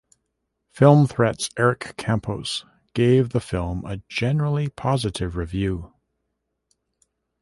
Film Threat's Eric Campos gave the film a generally positive review.